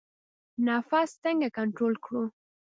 نفس څنګه کنټرول کړو؟